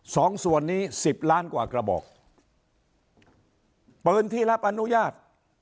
สองส่วนนี้สิบล้านกว่ากระบอกปืนที่รับอนุญาต